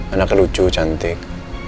anak lucu cantik